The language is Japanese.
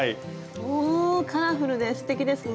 おカラフルですてきですね。